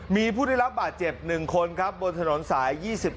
มีผู้ได้รับบาดเจ็บ๑คนครับบนถนนสาย๒๑